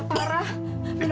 gila memburu diri